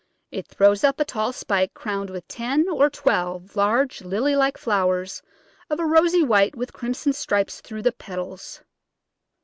It throws up a tall spike crowned with ten or twelve large, lily like flow ers of a rosy white with crimson stripes through the petals.